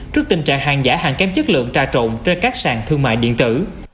trước tình trạng hàng giả hàng kém chất lượng trà trộn trên các sàn thương mại điện tử